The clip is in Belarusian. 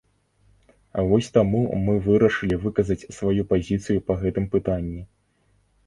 Вось таму мы вырашылі выказаць сваю пазіцыю па гэтым пытанні.